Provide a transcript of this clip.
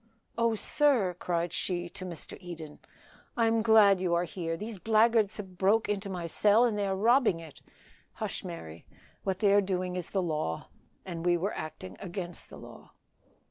"Oh, sir," cried she to Mr. Eden, "I am glad you are here. These blackguards have broke into my cell, and they are robbing it." "Hush, Mary; what they are doing is the law, and we were acting against the law."